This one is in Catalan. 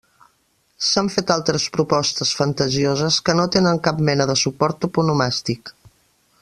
S'han fet altres propostes fantasioses que no tenen cap mena de suport toponomàstic.